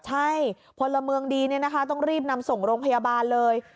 ใช่พลเมืองดีต้องรีบนำส่งโรงพยาบาลเลย